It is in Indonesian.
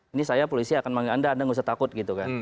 ini saya polisi akan memanggil anda anda nggak usah takut gitu kan